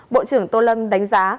bộ trưởng tô lâm đánh giá